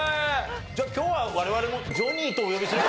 じゃあ今日は我々もジョニーとお呼びすれば？